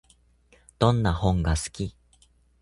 どんな本が好き？